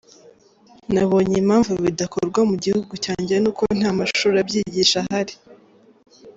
Nabonye impamvu bidakorwa mu gihugu cyanjye ni uko nta mashuri abyigisha ahari.